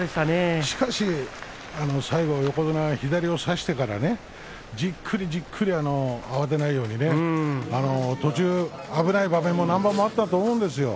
しかし最後、横綱が左を差してからじっくり、じっくり慌てないように途中、危ない場面も何度もあったと思うんですが